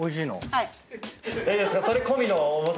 はい。